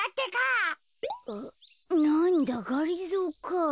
あなんだがりぞーか。